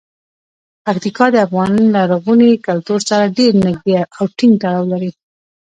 پکتیکا د افغان لرغوني کلتور سره ډیر نږدې او ټینګ تړاو لري.